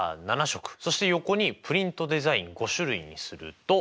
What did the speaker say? そして横にプリントデザイン５種類にするとこんな感じで。